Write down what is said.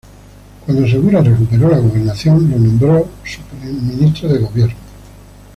Cuando segura recuperó la gobernación, lo nombró su ministro de gobierno.